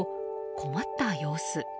困った様子。